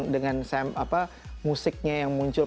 dengan musiknya yang muncul